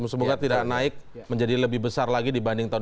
semoga tidak naik menjadi lebih besar lagi dibandingkan